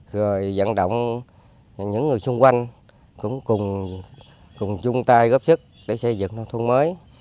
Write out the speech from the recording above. rồi dẫn động những người xung quanh cũng cùng chung tay góp sức để xây dựng thông thông mới